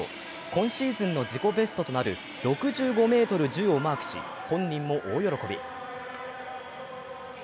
今シーズンの自己ベストとなる６５ｍ１０をマークし、本人も大喜び。